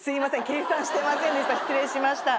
計算してませんでした。